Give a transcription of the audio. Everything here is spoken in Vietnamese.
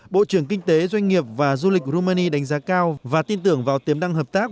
bộ trưởng kinh tế doanh nghiệp và du lịch rumani đánh giá cao và tin tưởng vào tiềm năng hợp tác